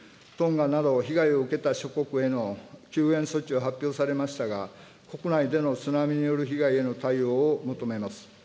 トンガなど、被害を受けた諸国への救援措置を発表されましたが、国内での津波による被害への対応を求めます。